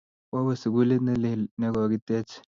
Kwawe sukulit nelel ne kogitech